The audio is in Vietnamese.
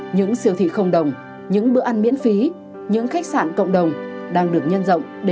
những siêu thị không đồng những bữa ăn miễn phí những khách sạn cộng đồng đang được nhân rộng để hỗ trợ những người dân